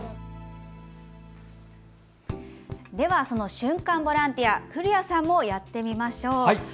その瞬間ボランティアを古谷さんもやってみましょう。